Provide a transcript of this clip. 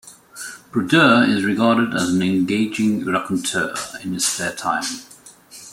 Brodeur is regarded as an engaging raconteur in his spare time.